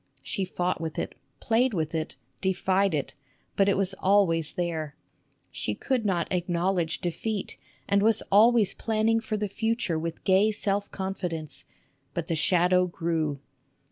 She fought with it, played with it, defied it, but it was always there ! She could not acknowledge defeat and was always planning for the future with gay self confidence ; but the shadow grew